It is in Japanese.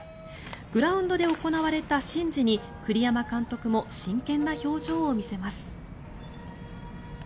グラウンドで行われた神事に栗山監督も真剣な表情を見せます。